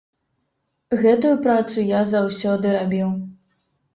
Гэтую працу я заўсёды рабіў.